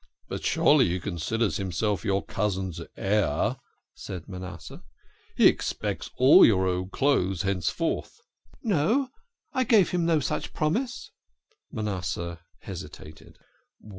" But surely he considers himself your cousin's heir," said Manasseh. " He expects all your old clothes henceforth." " No. I gave him no such promise." Manasseh hesitated.